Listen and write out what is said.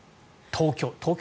東京。